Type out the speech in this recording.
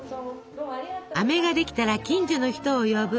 あめができたら近所の人を呼ぶ。